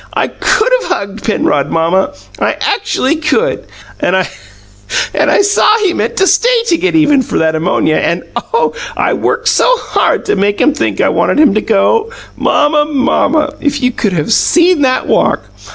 I could have hugged Penrod, mamma, I actually could! And I saw he meant to stay to get even for that ammonia and, oh, I worked so hard to make him think I wanted him to GO! Mamma, mamma, if you could have SEEN that walk!